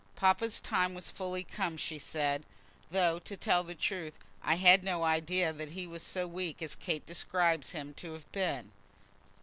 "Papa's time was fully come," she said, "though, to tell the truth, I had no idea that he was so weak as Kate describes him to have been."